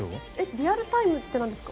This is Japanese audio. リアルタイムってなんですか？